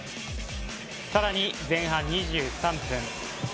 さらに前半２３分。